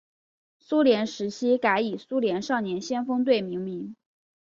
苏联时期改以苏联少年先锋队命名。